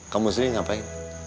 kamu sendiri ngapain